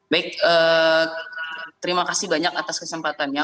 baik terima kasih banyak atas kesempatannya